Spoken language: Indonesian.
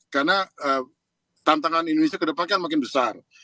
karena tantangan indonesia ke depan kan makin besar